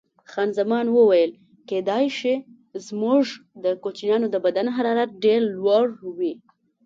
خان زمان وویل: کېدای شي، زموږ د کوچنیانو د بدن حرارت ډېر لوړ وي.